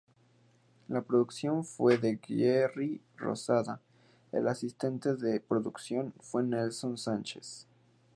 La producción fue de Gerry Rosado, el asistente de producción fue Nelson Sánchez.